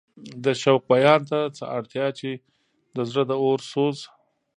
د شوق بیان ته څه اړتیا چې د زړه د اور سوز.